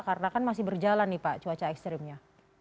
karena kan masih berjalan nih pak cuaca ekstrimnya